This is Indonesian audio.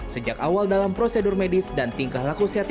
sejak awal dalam prosedur medis dan tingkah laku sehat